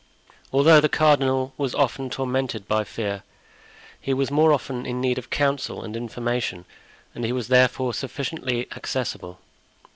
Although the cardinal was often tormented by fear, he was more often in need of counsel and information, and he was therefore sufficiently accessible.